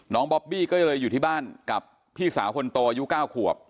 บอบบี้ก็เลยอยู่ที่บ้านกับพี่สาวคนโตอายุ๙ขวบ